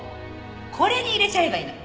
「これに入れちゃえばいいの」